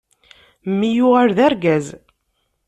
Mmi yuɣal d argaz.